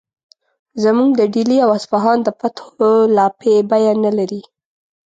زموږ د ډیلي او اصفهان د فتحو لاپې بیه نه لري.